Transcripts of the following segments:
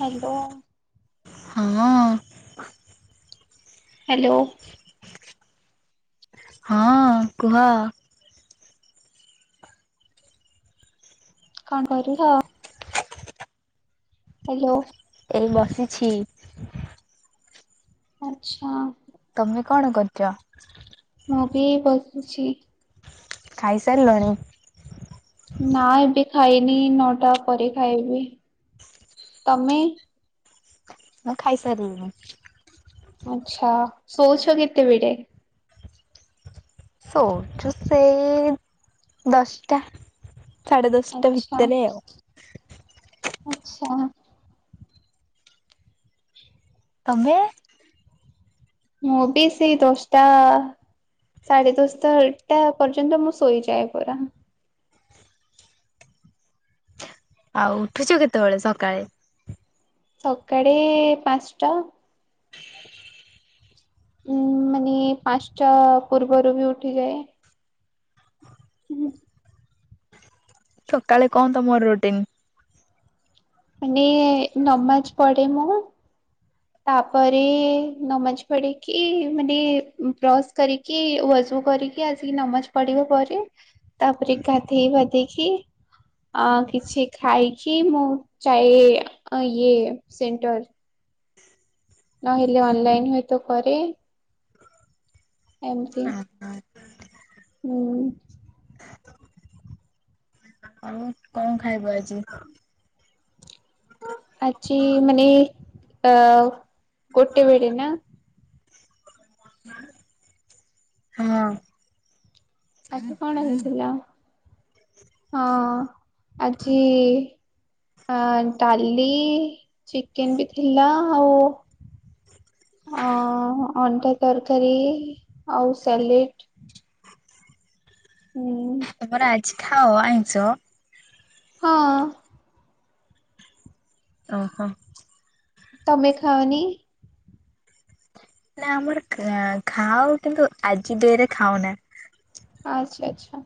Hello ହଁ ଅଁ। Hello. ହଁ କୁହ। କଣ କରୁଚ? ହ୍ୟାଲୋ। ଏଇ ବସିଛି। ଆଚ୍ଛା। ତମେ କଣ କରଛ? ମୁଁ ବି ବସିଛି। ଖାଇସାରିଲଣି? ନା ଏବେ ଖାଇନି ନଅଟା ପରେ ଖାଇବି ତମେ? ମୁଁ ଖାଇସାରିଲିଣୀ। ଆଛା ଶୋଉଛ କେତେବେଳେ? ଶୋଉଚୁ ସେଇ ଦଶଟା। ସାଢେ ଦଶଟା ଆଚ୍ଛା ଭିତରେ ଆଉ। ଆଚ୍ଛା। ତମେ? ମୁଁ ବି ସେଇ ଦଷ୍ଟା ସାଢ଼େ ଦଶଟା ଏକ ଟା ପର୍ଯ୍ୟନ୍ତ ମୁଁ ଶୋଇଯାଏ ପରା। ଆଉ ଉଠୁଛ କେତେବେଳେ ସକାଳେ? ସକାଳେ ପାଞ୍ଚଟା। ଉଁ ମାନେ ପାଞ୍ଚଟା ପୂର୍ବରୁ ବି ଉଠିଯାଏ। ସକାଳେ କଣ ତମର ରୁଟିନ୍? ମାନେ ନମାଜ ପଢେ ମୁଁ ତାପରେ ନମାଜ ପଡିକି ମାନେ ବ୍ରସ୍ କରି କି ୱାଜୁ କରିକି ଆସିକି ନମାଜ ପଢିବା ପରେ ତାପରେ ଗାଧେଇ ବାଧେଇକି ଅ କିଛି ଖାଇକି ମୁଁ ଚାଏ ଇଏ ସେଣ୍ଟର। ନହେଲେ ଅନଲାଇନ ହୁଏତ କରେ। ଏମ୍ତି ହଁ ହଁ ହୁଁ। ଆଉ କ କଣ ଖାଇବ ଆଜି? ଆଜି ମାନେ ଅ ଗୋଟେ ବେଡେ ନା? ହଁ। ଆଜି କଣ ହେଇଥିଲା? ଆ ଡାଲି, ଚିକେନ୍ ବି ଥିଲା ଆଉ ଅ ଅଣ୍ଡା ତରକାରୀ ଆଉ ସାଲେଟ୍। ଉଁ ତମର ଆଜି ଖାଅ ଆଇଁଷ? ହଁ। ଓହୋ। ତମେ ଖାଅନି? ନା ଆମର ଖା ଖାଉ କିନ୍ତୁ ଆଜି ଡେ ରେ ଖାଉନା। ଆଚ୍ଛା-ଆଚ୍ଛା।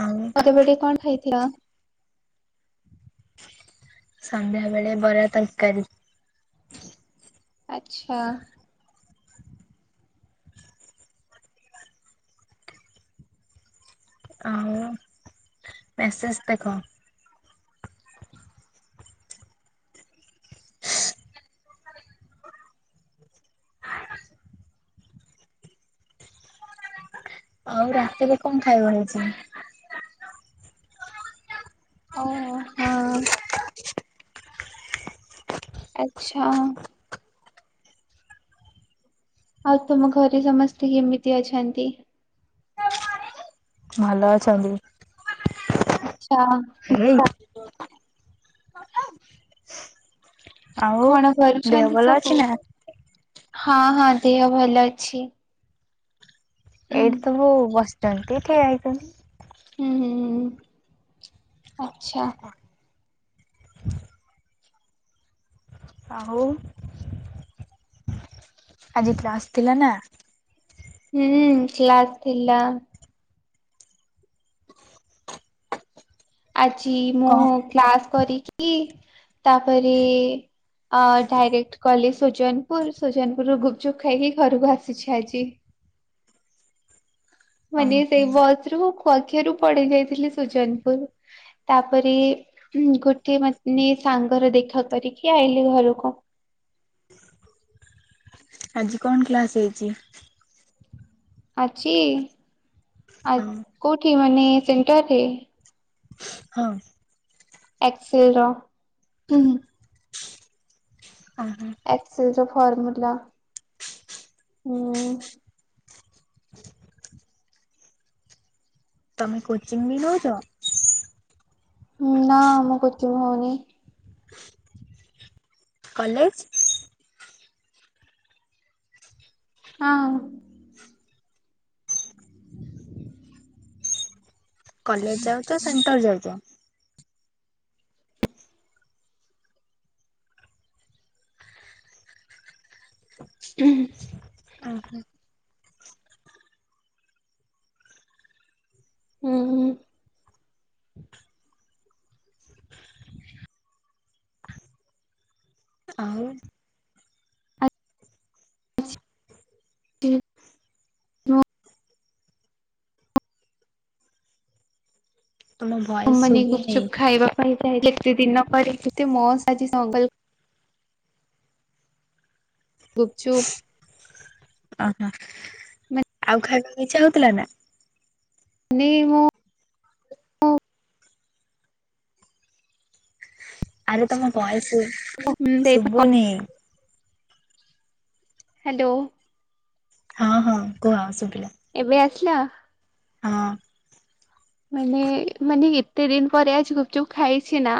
ଆଉ [unintelligible] କଣ ଖାଇଥିଲ? ସନ୍ଧ୍ୟାବେଳେ ବରା, ତରକାରୀ। ଆଚ୍ଛା। ଆଉ ମେସେଜ୍ ଦେଖ ଆଉ ରାତିରେ କଣ ଖାଇବା ହେଇଚି? ଓହୋ, ହଁ। ଆଚ୍ଛା। ଆଉ ତମ ଘରେ ସମସ୍ତେ କେମିତି ଅଛନ୍ତି? ଭଲ ଅଛନ୍ତି। ଆଚ୍ଛା। [inaudible] ଆଉ କଣ ଦେହ କରୁଛନ୍ତି ଭଲ ଅଛି ସବୁ? ନା? ହୁଁ ଏଇଠି ସବୁ ବସିଚନ୍ତି ଠିଆ ହେଇଚନ୍ତି। ହୁଁ-ହୁଁ-ହୁଁ ଆଚ୍ଛା। ଆଉ ଆଜି କ୍ଲାସ୍ ଥିଲା ନା? ହୁଁ କ୍ଲାସ୍ ଥିଲା। ଆଜି ମୁଁ କଣ କ୍ଲାସ୍ କରିକି ତାପରେ ଅ ଡାଇରେକ୍ଟ ଗଲି ସୁଜନପୁର, ସୁଜନପୁରରୁ ଗୁପଚୁପ୍ ଖାଇକି ଘରକୁ ଆସିଛି ଆଜି। ମାନେ ଓହୋ ସେଇ ବସ୍ ରୁ [unintelligible] ପଡେଇ ଯାଇଥିଲି ସୁଜନପୁର। ତାପରେ ଗୋଟେ ମାନେ ସାଙ୍ଗର ଦେଖା କରିକି ଆଇଲିି ଘରକୁ। ଆଜି କଣ କ୍ଲାସ୍ ହେଇଚି? ଆଜି ଆ ହଁ କୋଉଠି ମାନେ ସେଣ୍ଟରରେ? ହଁ। ଏକ୍ସେଲ୍ ର। ଓହୋ ଏକ୍ସେଲ୍ ର ଫର୍ମୁଲା ହୁଁ। ତମେ କୋଚିଙ୍ଗ ବି ନଉଚ? ନା ମୁଁ କୋଚିଙ୍ଗ ହଉନି। କଲେଜ୍ ହଁ। କଲେଜ୍ ଯାଉଚ ସେଣ୍ଟର ଯାଉଚ? ହୁଁ। ଓହୋ। ଉଁ ହୁଁ। ଆଉ? [unintelligible] ତମ ତ ଭଏସ ମାନେ ଶୁଭୁନି ଗୁପଚୁପ୍ ଖାଇବା ପାଇଁ ଯାଏ ଏତେ ଦିନ ପରେ କେତେ ମସ୍ତ ଆଜି ସେଅଙ୍କଲ୍ ଗୁପଚୁପ୍ ଓହୋ ଆଉ ଖାଇବାକୁ ଇଚ୍ଛା ହଉଥିଲାନା? ନେଇ ମୁଁ ଆରେ ତମ ଭଏସ୍ ହ୍ୟାଲୋ ଶୁବୁନି। ହାଲୋ। ହଁ ହଁ କୁହ ଶୁଭିଲା। ଏବେ ଆସିଲା? ହଁ। ମାନେ ମାନେ ଏତେ ଦିନପରେ ଆଜି ଗୁପଚୁପ୍ ଖାଇଚିନା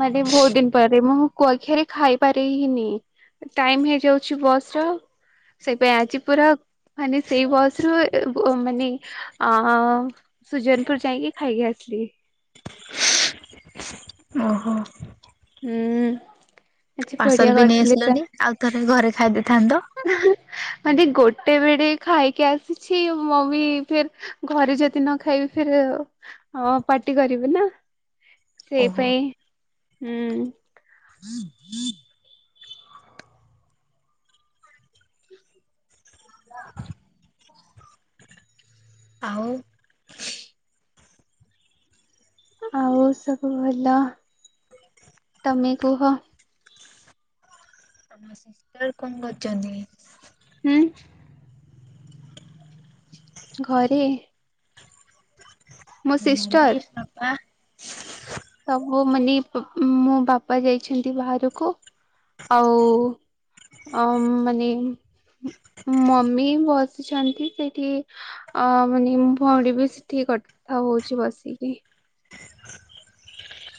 ମାନେ ବହୁତ୍ ଦିନ ପରେ ମୁଁ କୁଆକ୍ଷିଆରେ ଖାଇପାରେହିନି। ଟାଇମ୍ ହେଇଯାଉଚି ବସର ସେଇତିପାଇଁ ଆଜି ପୁରା ମାନେ ସେଇ ବସରୁ ବ ମାନେ ଅ ସୁଜନପୁର ଯାଇକି ଖାଇକି ଆସିଲି। ଓହୋ। ହୁଁ। ଆଜି ବଢିଆ ପାର୍ସଲବି ନେଇ କରିଥିଲେ ଆସିଲନି ସାର୍ ଆଉ ଥରେ ଘରେ ଖାଇ ଦେଇଥାନ୍ତ? ମାନେ ଗୋଟେ ବେଳେ ଖାଇକି ଆସିଚି ମମି ଫେର୍ ଘରେ ଯଦି ନଖାଇବି ଫେରେ ପାର୍ଟି କରିବେନା। ଓହୋ ସେଇପାଇଁ ହୁଁ। [unintelligible] ଆଉ? ଆଉ ସବୁ ଭଲ ତମେ କୁହ? ସିଷ୍ଟର କଁ କରୁଚନ୍ତି? ହୁଁ। ଘରେ। ମୋ ସିଷ୍ଟର। ମମି ବାପା ସବୁ ମାନେ ମୋ ବାପା ଯାଇଛନ୍ତି ବାହାରକୁ ଆଉ ଆଉ ମାନେ ମମି ବସିଛନ୍ତି ସେଇଠି ଅ ମାନେ ଭୋଉଣୀବି ସେଠି କଥା ହଉଚି ବସିକି।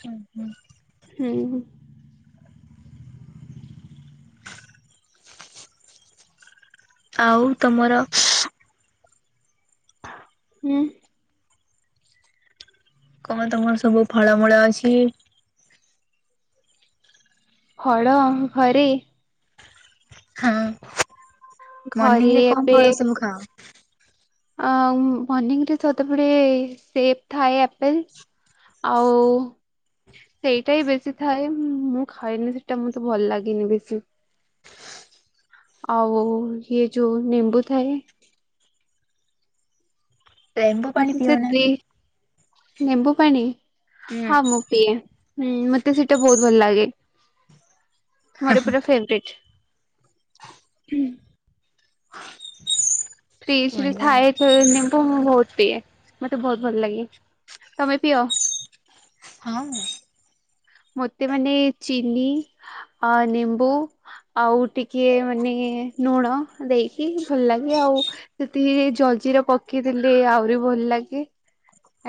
ଉଁ ହୁଁ। ହୁଁ। ଆଉ ତମର ଉଁ କଣ ତମର ସବୁ ଫଳମୂଳ ଅଛି? ଫଳ ଘରେ? ହଁ ଘରେ ମର୍ଣିିଂରେ କଁ ଫଳ ସବୁ ଖାଅ? ଆ ବନିଂରେ ସଦାବେଳେେ ସେପ ଥାଏ ଆପଲ। ଆଉ ସେଇଟା ହଁ ବେଶୀ ଥାଏ। ମୁଁ ଖାଏନି ସେଇଟା ମତେ ଭଲ ଲାଗିନି ବେଶୀ। ଆଉ ହିଏ ଯଉ ନିମ୍ବୁ ଥାଏ ଲେମ୍ବୁ ପାଣି ମତେ ସେ ପିଅ ନା? ଦି ନେମ୍ବୁ ପାଣି। ହଁ, ମୁଁ ପିଏ। ହୁଁ, ମତେ ସେଇଟା ବହୁତ ଭଲ ଲାଗେ। ମୋର ପୁରା ଫେଭରେଟ। ଫ୍ରିଜ ରେ ବଢିଆ ଥାଏ ନିମ୍ବୁ ମୁଁ ବହୁତ ପିଏ। ମତେ ବହୁତ ଭଲ ଲାଗେ। ତମେ ପିଅ? ହଁ। ମୋତେ ମାନେ ଚିନି ଆ ନିମ୍ବୁ ଆଉ ଟିକେ ମାନେ ଲୁଣ ଦେଇକି ଭଲ ଲାଗେ ଆଉ। ସେଥିରେ ଜଲଜିରା ପକେଇଦେଲେ ଆହୁରି ଭଲ ଲାଗେ।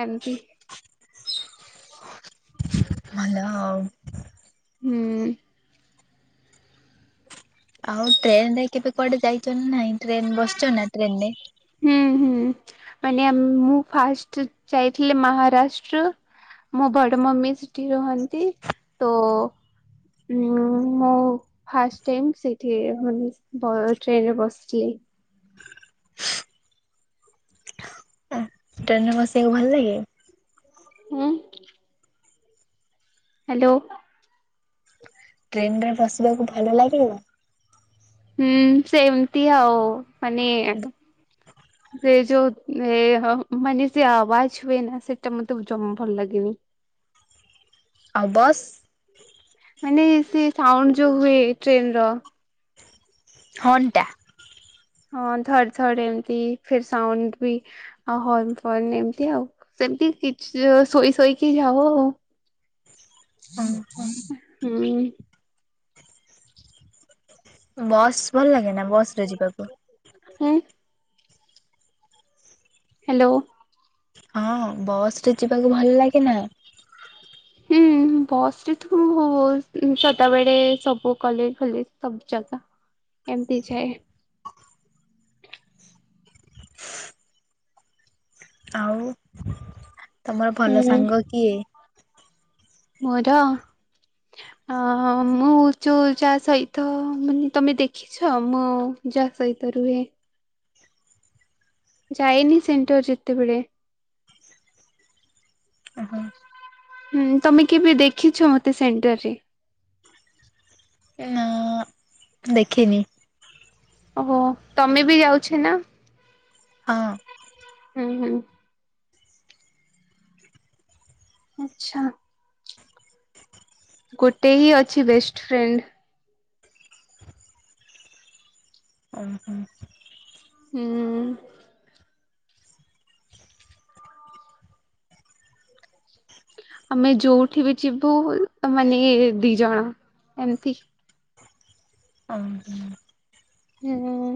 ଏମତି ଭଲ ଆଉ। ହୁଁ। ଆଉ ଟ୍ରେନ ରେ କେବେ କୁଆଡେ ଯାଇଛ ନାଇଁ ଟ୍ରେନରେ ବସିଚ ନା ଟ୍ରେନ ରେ? ହୁଁ ହୁଁ, ମାନେ ଆମ ମୁଁ ଫାଷ୍ଟ ଯାଇଥିଲି ମହାରାଷ୍ଟ୍ର। ମୋ ବଡ ମମି ସେଠି ରୁହନ୍ତି। ତୋ ହଁ, ମୁଁ ଫାଷ୍ଟ ଟାଇମ ସେଥିରେ ବ ଟ୍ରେନରେ ବସିିଚି। ଟ୍ରେନରେ ବସିବାକୁ ଭଲ ଲାଗେ? ଉଁ? ହ୍ୟାଲୋ। ଟ୍ରେନ ରେ ବସିବାକୁ ଭଲ ଲାଗେ? ହୁଁ, ସେମିତି ଆଉ। ମାନେ ସେ ଯୋଉ ଏ ମାନେ ସେ ଆବାଜ ହୁଏ ନା ସେଇଟା ମତେ ଜମା ଭଲ ଲାଗେନି। ଆବାସ ମାନେ ସେ ସାଉଣ୍ଡ ଯୋଉ ହୁଏ, ଟ୍ରେନର। ହର୍ନ ଟା। ହଁ, ଧର୍ଡ ଧର୍ଡ ଏମିତି ଫିର୍ ସାଉଣ୍ଡ ବି ଆଉ ହର୍ନ, ଫର୍ନ ଏମତି ଆଉ। ସେମତି କିଛି ଶୋଇ ଶୋଇକି ଯାଉ ଆଉ। ଓହୋ। ହୁଁ। ଆଉ ବସ୍ ଭଲ ଲାଗେନା, ବସ୍ ରେ ଯିବାକୁ? ଉଁ? ହ୍ୟାଲୋ। ହଁ, ବସ୍ ରେ ଯିବାକୁ ଭଲ ଲାଗେନା? ହୁଁ। ବସ ରେ ତ ସଦାବେଳେ ସବୁ କଲେଜ, ଫଲେଜ ସବୁ ଜାଗା ଏମତି ଯାଏ। ଆଉ ତମର ଭଲ ହୁଁ ସାଙ୍ଗ କିଏ? ମୋର? ଅ ମୁଁ ଚୁ ଯାହା ସହିତ ମାନେ ତମେ ଦେଖି ଛ, ମୁଁ ଯାହା ସହିତ ରୁହେ? ଯାଏନି ସେଣ୍ଟର୍ ଯେତେବେଳେେ। ଓହୋ। ହୁଁ ତମେ କେବେ ଦେଖିଛ, ମତେ ସେଣ୍ଟରରେ? ନା। ଦେଖିନି। ଓହୋ ତମେ ବି ଯାଉଛେ ନା? ହଁ। ହୁଁ ହୁଁ। ଆଛା। ଗୋଟେ ହିଁ ଅଛି ବେଷ୍ଟ ଫ୍ରେଣ୍ଡ। ଓହୋ। ହୁଁ। ଆମେ ଯୋଉଠିବି ଯିବୁ ମାନେ ଆମେ ଦିଜଣ ଏମିତି। ହଁ ହଁ। ହୁଁ।